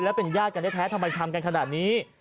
แล้วเป็นญาติกันแท้ทำไมทำกันขนาดนี้